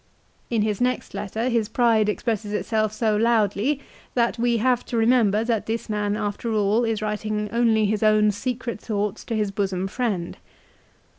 In his next letter his pride expresses itself so loudly that we have to remember that this man after all is writing only his own secret thoughts to his bosom friend.